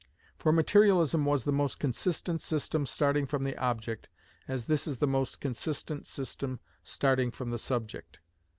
For materialism was the most consistent system starting from the object, as this is the most consistent system starting from the subject.